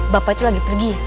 bapak itu lagi pergi